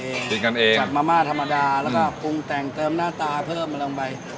กินกันเองกัดมะม่าธรรมดาแล้วก็ปรุงแต่งเติมหน้าตาเพิ่มอะไรลงไป